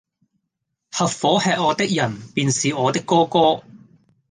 合夥喫我的人，便是我的哥哥！